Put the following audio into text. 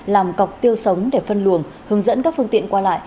làm cọc tiêu sống để phân luồng hướng dẫn các phương tiện qua lại